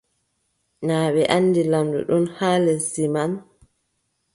Naa ɓe anndi lamɗo ɗon haa lesdi may ?